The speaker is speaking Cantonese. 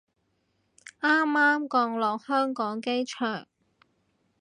啱啱降落香港機場